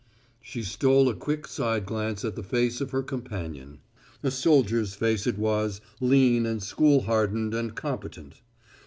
She stole a quick side glance at the face of her companion. A soldier's face it was, lean and school hardened and competent.